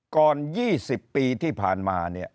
ก่อน๒๐ปีที่ผ่านมาเนี่ย